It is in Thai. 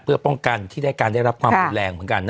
เพื่อป้องกันที่ได้การได้รับความรุนแรงเหมือนกัน